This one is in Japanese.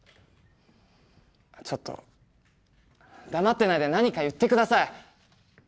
ちょっと黙ってないで何か言って下さい。